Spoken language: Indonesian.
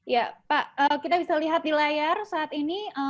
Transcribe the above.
ya pak kita bisa lihat di layar saat ini